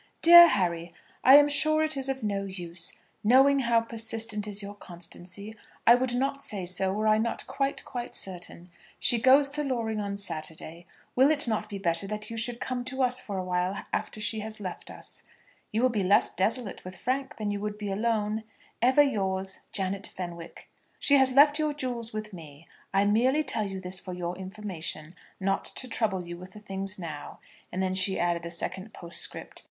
DEAR HARRY, I am sure it is of no use. Knowing how persistent is your constancy, I would not say so were I not quite, quite certain. She goes to Loring on Saturday. Will it not be better that you should come to us for awhile after she has left us. You will be less desolate with Frank than you would be alone. Ever yours, JANET FENWICK. She has left your jewels with me. I merely tell you this for your information; not to trouble you with the things now. And then she added a second postscript.